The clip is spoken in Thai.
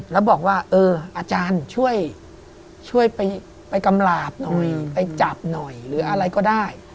แล้วบอกว่าเอออาจารย์ช่วยไปกำหลาบหน่อยไปจับหน่อยหรืออะไรก็ได้